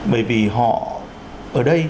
bởi vì họ ở đây